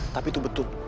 tapi itu betul